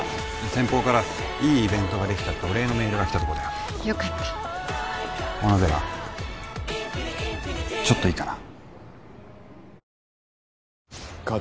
先方からいいイベントができたとお礼のメールが来たとこだよよかった小野寺ちょっといいかな？